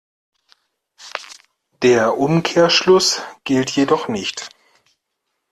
Der Umkehrschluss gilt jedoch nicht.